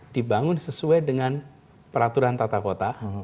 dibangun sesuai dengan peraturan tata kota